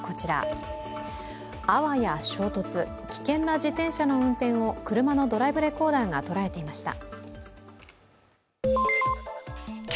あわや衝突、危険な自転車の運転を車のドライブレコーダーが捉えていました。